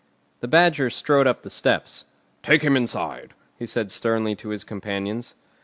The Badger strode up the steps. "Take him inside," he said sternly to his companions.